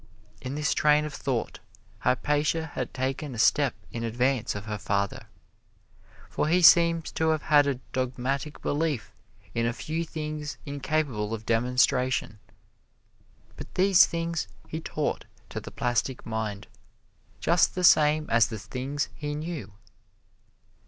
In this train of thought Hypatia had taken a step in advance of her father, for he seems to have had a dogmatic belief in a few things incapable of demonstration; but these things he taught to the plastic mind, just the same as the things he knew.